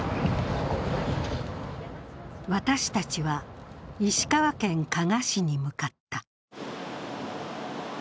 私たちは石川県加賀市に向かった。